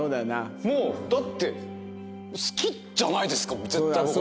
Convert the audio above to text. もうだって好きじゃないですか絶対僕の事。